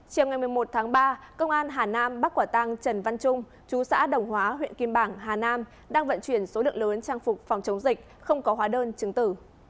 chiều ngày một mươi một tháng ba công an hà nam bắt quả tăng trần văn trung chú xã đồng hóa huyện kim bảng hà nam đang vận chuyển số lượng lớn trang phục phòng chống dịch không có hóa đơn chứng tử